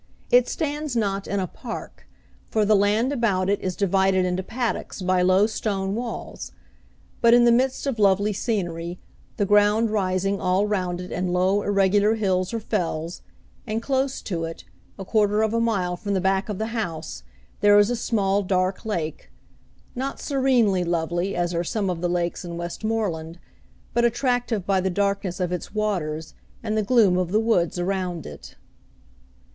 It stands not in a park, for the land about it is divided into paddocks by low stone walls, but in the midst of lovely scenery, the ground rising all round it in low irregular hills or fells, and close to it, a quarter of a mile from the back of the house, there is a small dark lake, not serenely lovely as are some of the lakes in Westmorland, but attractive by the darkness of its waters and the gloom of the woods around it.